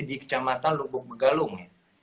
di kecamatan lubuk begalung